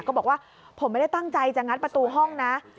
บอกว่าผมไม่ได้ตั้งใจจะงัดประตูห้องนะ